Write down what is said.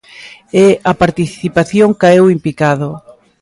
E a participación caeu en picado.